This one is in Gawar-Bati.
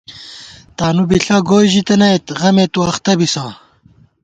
تانُو بِݪہ گوئی ژِتَنَئیت غمےتُو اختہ بِسہ